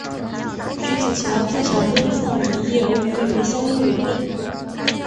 菊梓乔自小因父母离异而与妹妹相依为命。